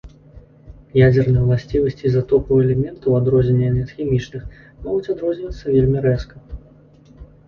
Ядзерныя ўласцівасці ізатопаў элемента, у адрозненні ад хімічных, могуць адрознівацца вельмі рэзка.